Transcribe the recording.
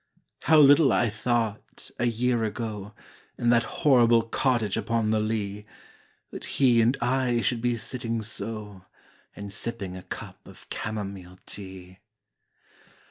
How little I thought, a year ago, In that horrible cottage upon the Lee That he and I should be sitting so And sipping a cup of camomile tea.